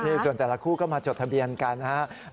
นี่ส่วนแต่ละคู่ก็มาจดทะเบียนกันนะครับ